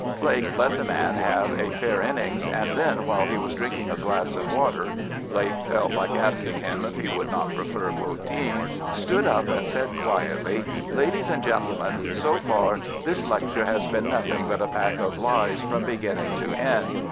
Blake let the man have a fair innings, and then while he was drinking a glass of water (Blake felt like asking him if he would not prefer poteen) stood up and said quietly, "Ladies and gentlemen, so far this lecture has been nothing but a pack of lies from beginning to end.